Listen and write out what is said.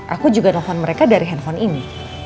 aku juga nelfon mereka dari handphone ini